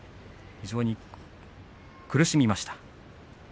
非常に苦しみました。